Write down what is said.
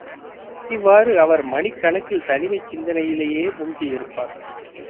இவ்வாறு அவர் மணிக் கணக்கில் தனிமைச் சிந்தனையிலேயே மூழ்கியிருப்பார்.